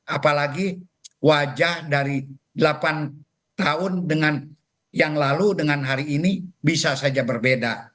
apalagi wajah dari delapan tahun dengan yang lalu dengan hari ini bisa saja berbeda